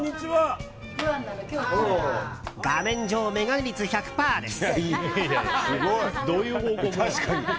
画面上、メガネ率１００％です。